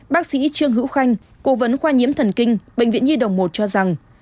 bác sĩ trương hữu khanh cố vấn khoa nhiễm thần kinh bệnh viện nhi đồng một cho rằng